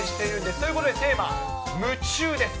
ということでテーマ、夢中です。